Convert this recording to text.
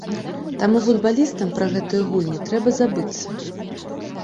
Таму футбалістам пра гэтыя гульні трэба забыцца.